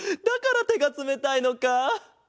だからてがつめたいのか。